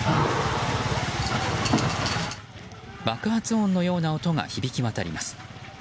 爆発音のような音が響き渡ります。